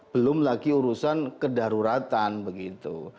belum lagi urusan kedaruratan begitu